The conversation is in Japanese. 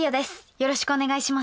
よろしくお願いします。